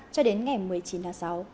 cho đến ngày một mươi chín tháng sáu